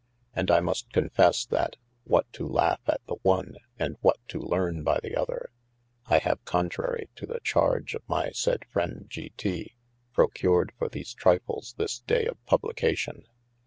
And I must confesse that (what to laugh at the one, & what to learne by the other) I have contrary to the chardge of my said friend G. T. procured for these trifles this day of publication.